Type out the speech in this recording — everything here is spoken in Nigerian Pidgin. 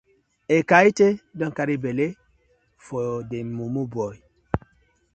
Ekaete don carry belle for dey mumu boy.